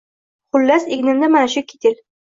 Xullas, egnimda mana shu kitel